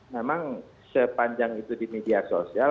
memang sepanjang itu di media sosial